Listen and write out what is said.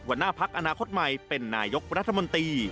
หัวหน้าพักอนาคตใหม่เป็นนายกรัฐมนตรี